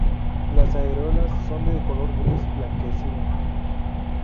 Las areolas son de color gris blanquecino.